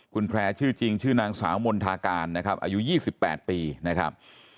คุณแพร่ชื่อจริงชื่อนางสาวมณฑาการนะครับอายุ๒๘ปีนะครับ